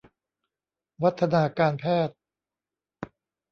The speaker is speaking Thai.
วัฒนาการแพทย์